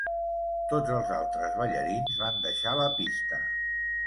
Tots els altres ballarins van deixar la pista.